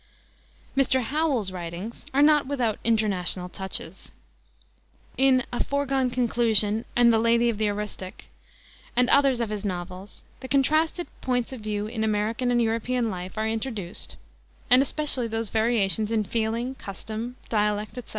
Mr. Howells's writings are not without "international" touches. In A Foregone Conclusion and the Lady of the Aroostook, and others of his novels, the contrasted points of view in American and European life are introduced, and especially those variations in feeling, custom, dialect, etc.